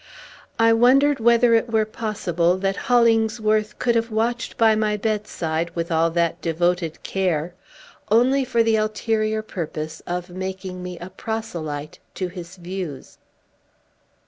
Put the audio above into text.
I wondered whether it were possible that Hollingsworth could have watched by my bedside, with all that devoted care, only for the ulterior purpose of making me a proselyte to his views!